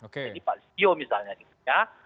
jadi pak listio misalnya gitu ya